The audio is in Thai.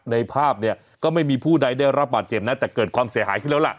ในภาพเนี่ยก็ไม่มีผู้ใดได้รับบาดเจ็บนะแต่เกิดความเสียหายขึ้นแล้วล่ะ